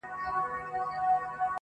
وږی په خوب ټيکۍ ويني.